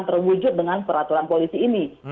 terwujud dengan peraturan polisi ini